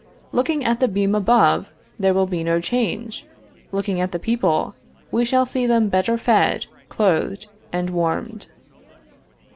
Looking at the beam above, there will be no change. Looking at the people, we shall see them better fed, clothed and warmed.